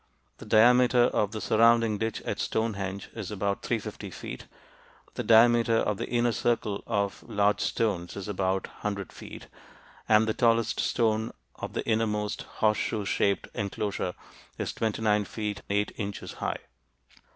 The diameter of the surrounding ditch at Stonehenge is about 350 feet, the diameter of the inner circle of large stones is about 100 feet, and the tallest stone of the innermost horseshoe shaped enclosure is 29 feet 8 inches high.